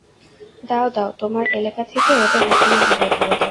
দাও, দাও, তোমার এলেকা থেকে ওদের এখনই বিদায় করে দাও।